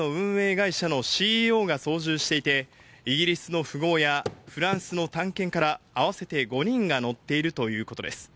会社のＣＥＯが操縦していて、イギリスの富豪やフランスの探検家ら合わせて５人が乗っているということです。